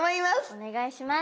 お願いします。